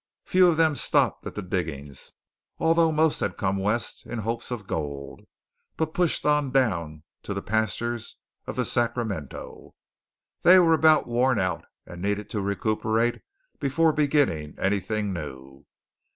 Few of them stopped at the diggings, although most had come west in hopes of gold, but pushed on down to the pastures of the Sacramento. They were about worn out and needed to recuperate before beginning anything new.